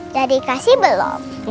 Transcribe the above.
dari kasih belum